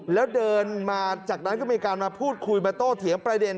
แล้วเดินมาจากนั้นก็มีการมาพูดคุยมาโต้เถียงประเด็น